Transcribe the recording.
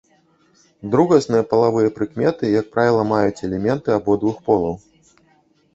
Другасныя палавыя прыкметы, як правіла, маюць элементы абодвух полаў.